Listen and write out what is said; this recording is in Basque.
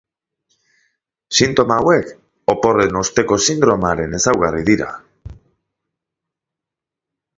Sintoma hauek oporren osteko sindromearen ezaugarri dira.